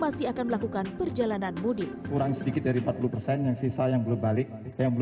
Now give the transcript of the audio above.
masih akan melakukan perjalanan mudik kurang sedikit dari empat puluh persen yang sisa yang belum balik